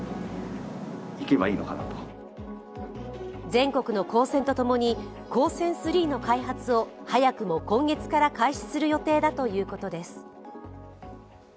全国の高専と共に「ＫＯＳＥＮ−３」の開発を早くも今月から開始する予定だということです。